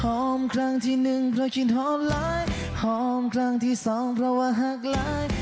ครั้งที่หนึ่งเพราะกินหอมหลายหอมครั้งที่สองเพราะว่าหักล้าน